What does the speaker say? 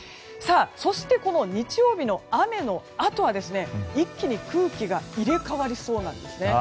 そして、この日曜日の雨のあとは一気に空気が入れ替わりそうなんですね。